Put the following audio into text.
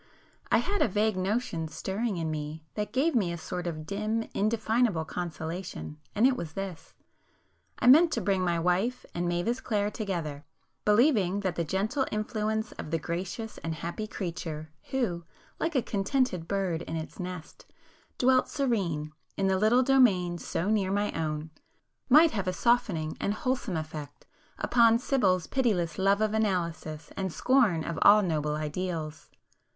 I had a vague notion stirring in me that gave me a sort of dim indefinable consolation, and it was this,—I meant to bring my wife and Mavis Clare together, believing that the gentle influence of the gracious and happy creature, who, like a contented bird in its nest, dwelt serene in the little domain so near my own, might have a softening and wholesome effect upon Sibyl's pitiless love of analysis and scorn of all noble ideals.